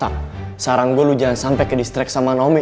tak saran gue lo jangan sampe ke distrax sama naomi